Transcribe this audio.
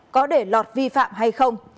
có để lọt vi phạm hay không